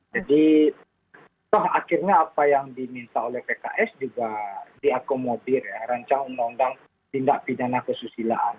jadi akhirnya apa yang diminta oleh pks juga diakomodir ya rancang undang undang tindak pidana kesusilaan